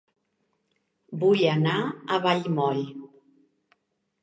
Vull anar a Vallmoll